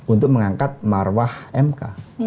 untuk mengangkat marwah mk